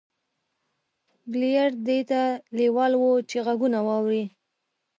بليير دې ته لېوال و چې غږونه واوري.